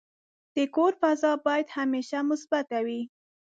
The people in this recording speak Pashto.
د کور فضا باید همیشه مثبته وي.